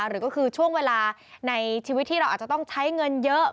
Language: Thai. หรือก็คือช่วงเวลาในชีวิตที่เราอาจจะต้องใช้เงินเยอะ